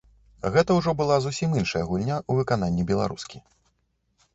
Гэта ўжо была зусім іншая гульня ў выкананні беларускі.